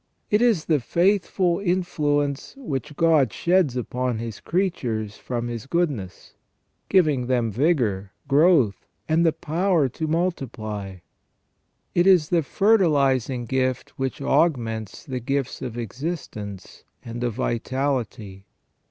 It is the fruitful influence which God sheds upon His creatures from His goodness, giving them vigour, growth, and the power to multiply. It is the fertilizing gift which augments the gifts of existence and of vitality.